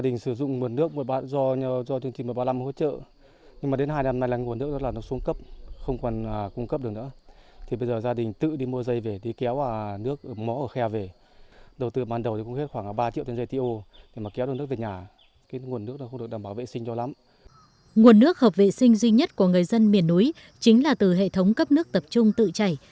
nguồn nước hợp vệ sinh duy nhất của người dân miền núi chính là từ hệ thống cấp nước tập trung tự chảy